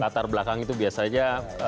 latar belakang itu biasanya